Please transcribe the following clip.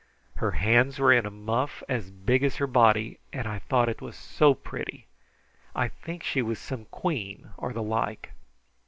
Her hands were in a muff as big as her body, and I thought it was so pretty. I think she was some queen, or the like.